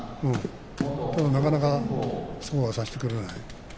ただ、なかなかそうはさせてくれない。